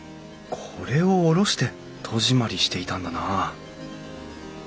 これを下ろして戸締まりしていたんだな